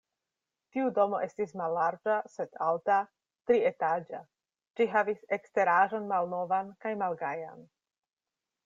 Tiu domo estis mallarĝa, sed alta, trietaĝa, ĝi havis eksteraĵon malnovan kaj malgajan.